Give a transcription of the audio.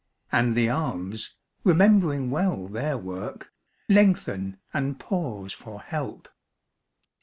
" and the arms, remembering well their work, Lengthen and pause for help.